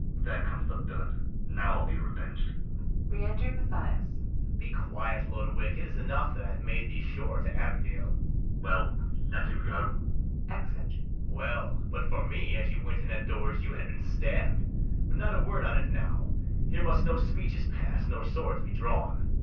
There comes the villain; now I'll be reveng'd. Re enter MATHIAS. BARABAS. Be quiet, Lodowick; it is enough That I have made thee sure to Abigail. LODOWICK. Well, let him go. [Exit.] BARABAS. Well, but for me, as you went in at doors You had been stabb'd: but not a word on't now; Here must no speeches pass, nor swords be drawn.